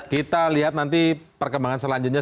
kita lihat nanti perkembangan selanjutnya